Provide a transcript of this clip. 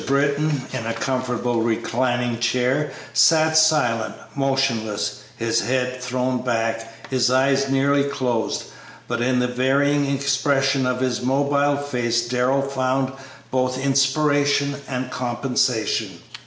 Britton, in a comfortable reclining chair, sat silent, motionless, his head thrown back, his eyes nearly closed, but in the varying expression of his mobile face Darrell found both inspiration and compensation.